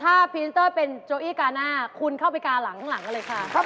ถ้าพีนเตอร์เป็นโจอี้กาหน้าคุณเข้าไปกาหลังข้างหลังกันเลยค่ะ